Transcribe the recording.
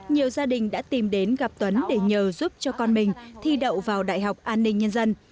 nhiều gia đình đã tìm đến gặp tuấn để nhờ giúp cho con mình thi đậu vào đại học an ninh nhân dân